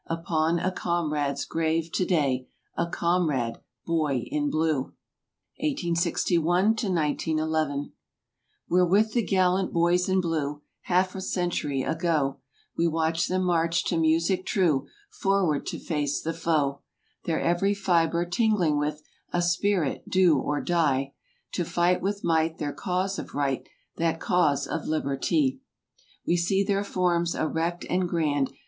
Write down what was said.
Upon a comrade's grave today— A comrade "Boy in Blue!" i86i—1911 We're with the gallant "Boys in Blue" Half a century ago; We watch them march to music true. Forward to face the foe; Their every fibre tingling with A spirit—"Do or die!" To fight with might their cause of right— That cause of liberty. We see their forms erect and grand.